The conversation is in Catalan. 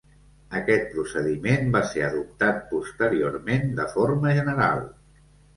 Aquest procediment va ser adoptat posteriorment de forma general.